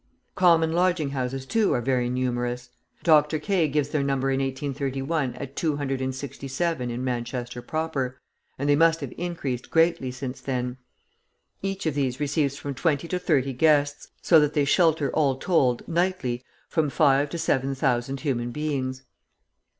Common lodging houses, too, are very numerous; Dr. Kay gives their number in 1831 at 267 in Manchester proper, and they must have increased greatly since then. Each of these receives from twenty to thirty guests, so that they shelter all told, nightly, from five to seven thousand human beings.